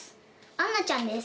杏奈ちゃんです。